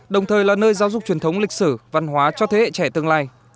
đồng thời là nơi giáo dục truyền thống lịch sử văn hóa cho thế hệ trẻ tương lai